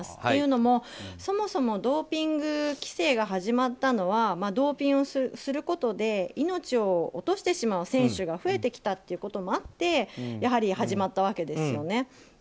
というのも、そもそもドーピング規制が始まったのはドーピングをすることで命を落としてしまう選手が増えてきたっていうこともあってやはり始まったわけですよね。